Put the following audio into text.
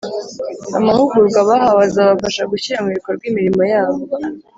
Amahugurwa bahawe azabafasha gushyira mu bikorwa imirimo yabo